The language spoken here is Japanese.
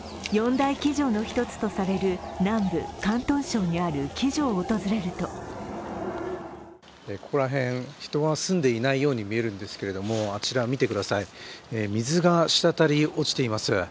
大鬼城の一つとされる、南部・広東省にある鬼城を訪れるとここら辺、人は住んでいないように見えるんですけれども、あちら、見てください、水が滴り落ちています。